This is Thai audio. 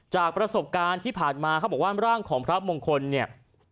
จากประสบการณ์ที่ผ่านมาเขาบอกว่าร่างของพระมงคลเนี่ย